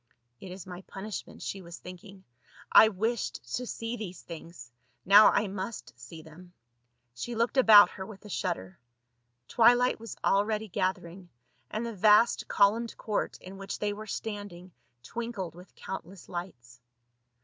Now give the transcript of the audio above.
It is my punishment, she was thinking, I wished to see these things, now I must see them. She looked about her with a shudder. Twilight was already gathering, and the vast columned court in which they were standing twinkled with countless lights.